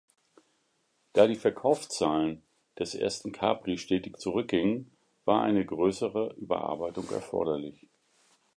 Da die Verkaufszahlen des ersten Capri stetig zurückgingen, war eine größere Überarbeitung erforderlich.